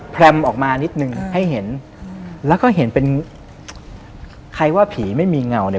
แพร่มออกมานิดนึงให้เห็นแล้วก็เห็นเป็นใครว่าผีไม่มีเงาเนี่ย